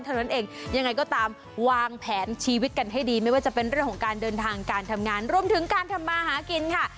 เท่านั้นเองยังไงก็ตามวางแผนชีวิตกันให้ดีไม่ว่าจะเป็นเรื่องของการเดินทางการทำงานรวมถึงการทำมาหากินค่ะ